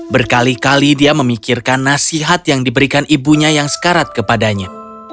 berkali kali dia memikirkan nasihat yang diberikan ibunya yang sekarat kepadanya